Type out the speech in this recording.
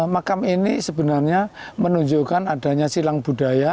makam ini sebenarnya menunjukkan adanya silang budaya